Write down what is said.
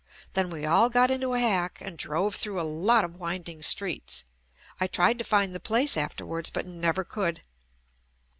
Then we all got into a hack and drove through a lot of winding streets (I tried to find the place afterwards but never could)